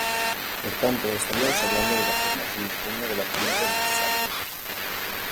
Por tanto estaríamos hablando de la forma primigenia de la familia de los sables.